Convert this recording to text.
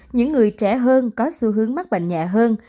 những người trẻ hơn có xu hướng mắc bệnh nhẹ hơn